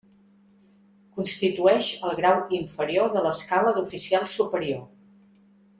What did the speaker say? Constitueix el grau inferior de l'escala d'oficial superior.